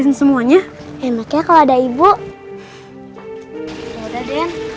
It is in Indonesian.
jenifer juga pamit kak febri kak edward